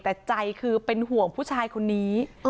แต่ใจคือเป็นห่วงผู้ชายคนนี้